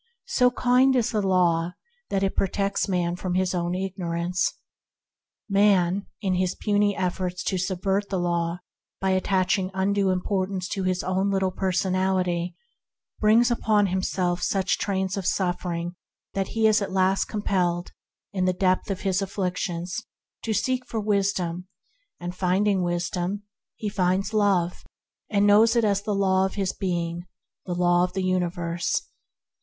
So kind is the Law that it protects man against his own ignorance. Man, in his puny efforts to subvert the Law by attaching undue importance to his own little personality, brings upon himself such trains of suffering that he is at last compelled, in the depth of his afflictions, to seek for Wisdom; finding Wisdom, he finds Love, and knows it as the Law of his being, the Law of the universe.